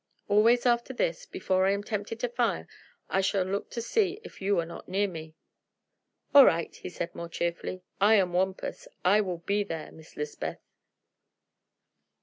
Always after this, before I am tempted to fire, I shall look to see if you are not near me." "All right," he said more cheerfully. "I am Wampus. I will be there, Miss 'Lizbeth."